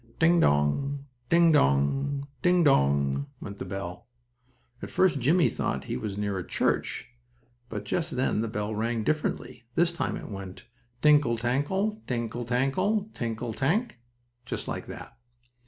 "Ding dong! Ding dong! Ding dong!" went the bell. At first Jimmie thought he was near a church, but just then the bell rang differently. This time it went: "Tinkle tankle! Tinkle tankle! Tinkle tank " just like that.